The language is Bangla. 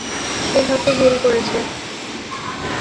সে হয়তো ভুল করেছে।